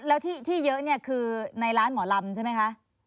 แล้วที่เยอะเนี่ยคือในร้านหมอลำใช่ไหมคะ